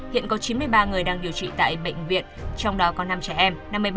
hiện có chín mươi ba người đang điều trị tại bệnh viện trong đó có năm trẻ em